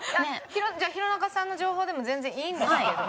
じゃあ弘中さんの情報でも全然いいんですけども。